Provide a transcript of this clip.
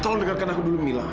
tolong dengarkan aku dulu mila